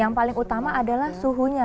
yang paling utama adalah suhunya